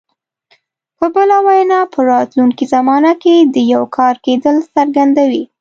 په بله وینا په راتلونکي زمانه کې د یو کار کېدل څرګندوي.